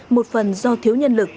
một phần do thiếu nhân lực